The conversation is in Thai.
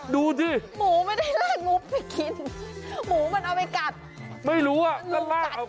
ดูสิหมูไม่ได้ลากงบไปกินหมูมันเอาไปกัดไม่รู้อ่ะแล้วลากกัด